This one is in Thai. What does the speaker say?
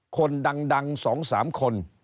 คนดัง๒๓คน